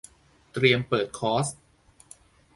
เตรียมเปิดคอร์ส